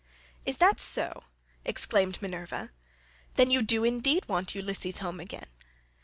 "Is that so?" exclaimed Minerva, "then you do indeed want Ulysses home again.